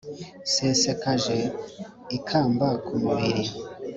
Nsesekaje ikamba ku mubiri,